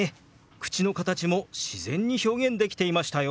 口の形も自然に表現できていましたよ！